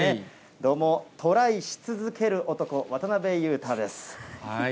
どうも、トライし続ける男、渡辺裕太です。